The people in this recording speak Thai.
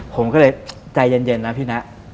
ผมก็เลยใจเย็นนะพี่นะ